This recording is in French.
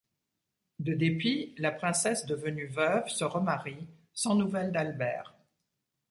De dépit, la princesse devenue veuve se remarie, sans nouvelle d'Albert.